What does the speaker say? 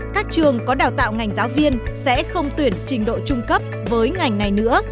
các trường có đào tạo ngành giáo viên sẽ không tuyển trình độ trung cấp với ngành này nữa